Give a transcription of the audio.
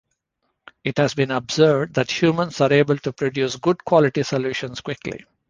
It has been observed that humans are able to produce good quality solutions quickly.